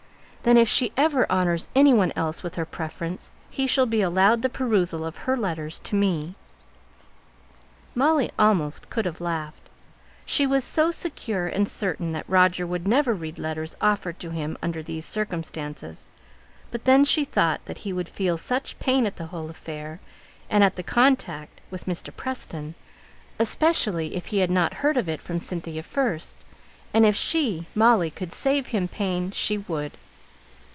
"Then if she ever honours any one else with her preference, he shall be allowed the perusal of her letters to me." Molly almost could have laughed, she was so secure and certain that Roger would never read letters offered to him under these circumstances; but then she thought that he would feel such pain at the whole affair, and at the contact with Mr. Preston, especially if he had not heard of it from Cynthia first, and if she, Molly, could save him pain she would.